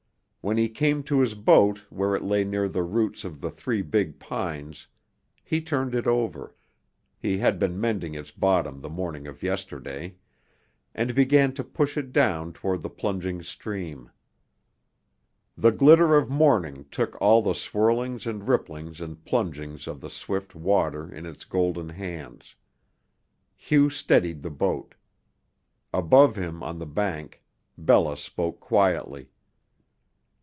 When he came to his boat where it lay near the roots of the three big pines, he turned it over he had been mending its bottom the morning of yesterday and began to push it down toward the plunging stream. The glitter of morning took all the swirlings and ripplings and plungings of the swift water in its golden hands. Hugh steadied the boat. Above him on the bank Bella spoke quietly.